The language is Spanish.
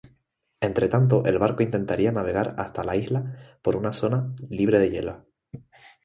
Entretanto, el barco intentaría navegar hasta la isla por una zona libre de hielos.